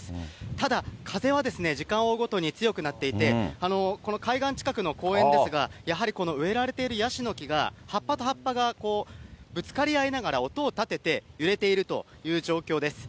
ただ、風は時間を追うごとに強くなっていて、この海岸近くの公園ですが、やはり植えられているヤシの木が、葉っぱと葉っぱがぶつかり合いながら、音を立てて揺れているという状況です。